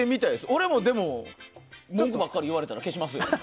俺も文句ばっかり言われてたら消しますよ。